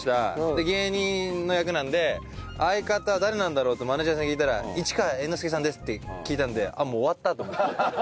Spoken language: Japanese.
で芸人の役なんで相方誰なんだろうってマネジャーさんに聞いたら市川猿之助さんですって聞いたんであっもう終わったと思って。